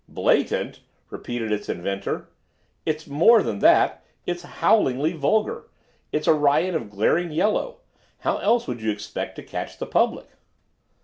"Blatant?" repeated its inventor. "It's more than that. It's howlingly vulgar. It's a riot of glaring yellow. How else would you expect to catch the public?"